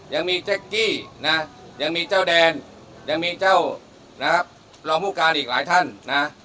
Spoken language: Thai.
ยังมีเจ๊กกี้นะยังมีเจ้าแดนยังมีเจ้านะครับรองผู้การอีกหลายท่านนะ